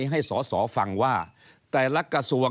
ก็จะมาจับทำเป็นพรบงบประมาณ